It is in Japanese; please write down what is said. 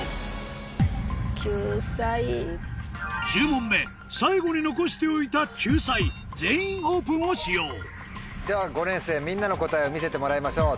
１０問目最後に残しておいた救済「全員オープン」を使用では５年生みんなの答えを見せてもらいましょう。